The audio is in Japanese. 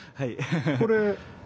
これ。